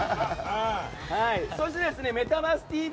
そしてメタバースＴＶ！！